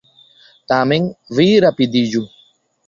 Tamen, vi rapidiĝu.